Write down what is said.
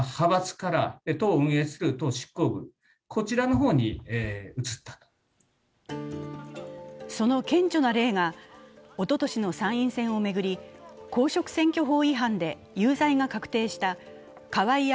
更にその顕著な例が、おととしの参院選を巡り、公職選挙法違反で有罪が確定した河井案